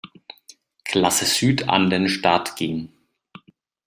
Klasse Süd an den Start ging.